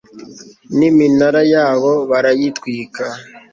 n'iminara yawo barayitwika